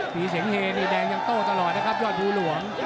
มีเสียงเฮนี่แดงยังโต้ตลอดนะครับยอดภูหลวง